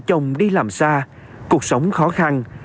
khi đi làm xa cuộc sống khó khăn